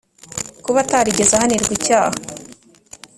kuba atarigeze ahanirwa icyaha